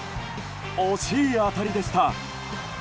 惜しい当たりでした。